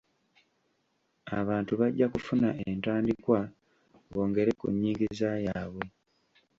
Abantu bajja kufuna entandikwa bongere ku nnyingiza yaabwe.